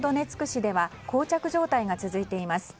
市では膠着状態が続いています。